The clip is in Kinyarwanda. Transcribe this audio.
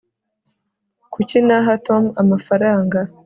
kuki naha tom amafaranga